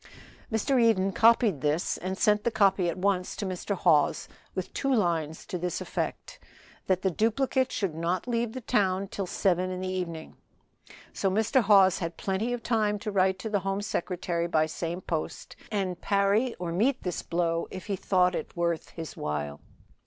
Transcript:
Mr. Eden copied this, and sent the copy at once to Mr. Hawes with two lines to this effect, that the duplicate should not leave the town till seven in the evening, so Mr. Hawes had plenty of time to write to the Home Secretary by same post, and parry or meet this blow if he thought it worth his while.